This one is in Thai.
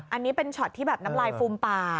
อันนี้เป็นช็อตที่แบบน้ำลายฟูมปาก